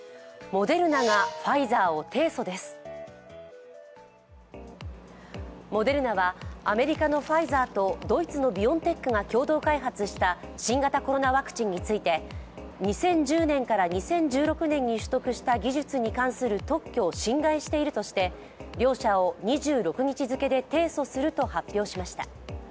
モデルナはアメリカのファイザーとドイツのビオンテックが共同開発した新型コロナワクチンについて２０１０年から２０１６年に取得した技術に関する特許を侵害しているとして両社を２６日付で提訴すると発表しました。